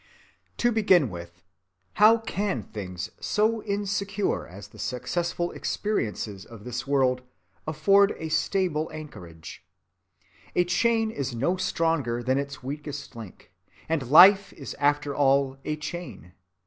‐‐‐‐‐‐‐‐‐‐‐‐‐‐‐‐‐‐‐‐‐‐‐‐‐‐‐‐‐‐‐‐‐‐‐‐‐ To begin with, how can things so insecure as the successful experiences of this world afford a stable anchorage? A chain is no stronger than its weakest link, and life is after all a chain.